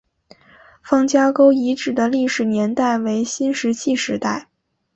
方家沟遗址的历史年代为新石器时代。